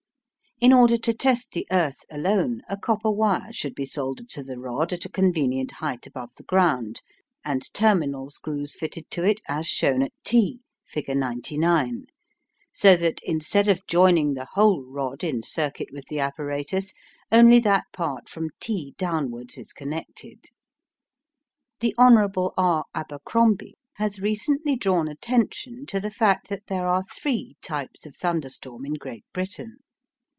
In order to test the "earth" alone, a copper wire should be soldered to the rod at a convenient height above the ground, and terminal screws fitted to it, as shown at T (figure 99), so that instead of joining the whole rod in circuit with the apparatus, only that part from T downwards is connected. The Hon. R. Abercrombie has recently drawn attention to the fact that there are three types of thunderstorm in Great Britain.